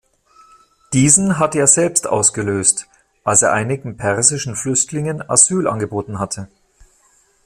Diesen hatte er selbst ausgelöst, als er einigen persischen Flüchtlingen Asyl angeboten hatte.